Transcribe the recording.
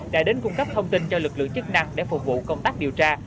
đã đến cung cấp thông tin cho lực lượng chức năng để phục vụ công tác điều tra